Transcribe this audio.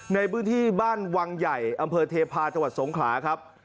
ในพื้นที่บ้านวังใหญ่อำเภอเทพาะจังหวัดสงขลาครับ